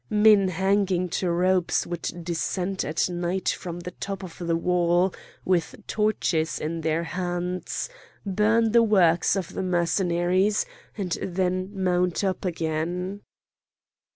Men hanging to ropes would descend at night from the top of the wall with torches in their hands, burn the works of the Mercenaries, and then mount up again.